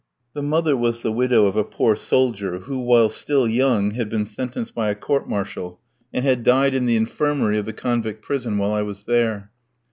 The mother was the widow of a poor soldier, who, while still young, had been sentenced by a court martial, and had died in the infirmary of the convict prison while I was there.